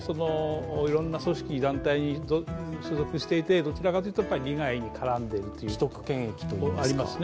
いろんな組織、団体に所属していてどちらかというと利害が絡んでいるというのがありますね。